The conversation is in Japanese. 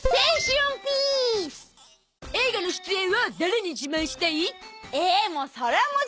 映画の出演を誰に自慢したい？え？